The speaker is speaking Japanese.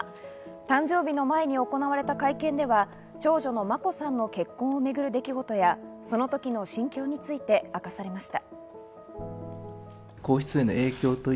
誕生日の前に行われた会見では、長女の眞子さんの結婚をめぐる出来事や、その時の心境について明かされました。